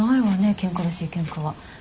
ケンカらしいケンカは。